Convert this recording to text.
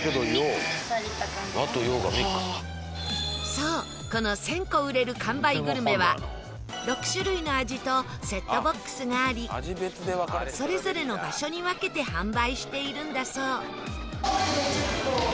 そうこの１０００個売れる完売グルメは６種類の味とセットボックスがありそれぞれの場所に分けて販売しているんだそう